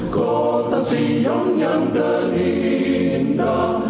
kota sion yang terindah